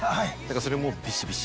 それもビシビシ。